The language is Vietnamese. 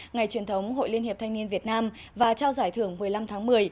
ngày truyền thống hội liên hiệp thanh niên việt nam và trao giải thưởng một mươi năm tháng một mươi